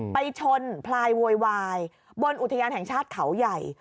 ไปชนพลายโวยวายบนอุทยานแห่งชาติเขาใหญ่